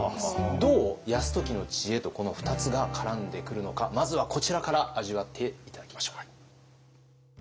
どう泰時の知恵とこの２つが絡んでくるのかまずはこちらから味わって頂きましょう。